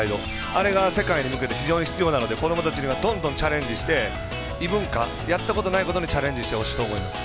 あれが世界に向けて必要なので子どもたちにはどんどんチャレンジして異文化、やったことないことにチャレンジしてほしいと思います。